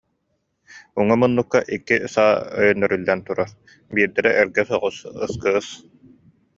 Уҥа муннукка икки саа өйөннөрүллэн турар, биирдэрэ эргэ соҕус «СКС»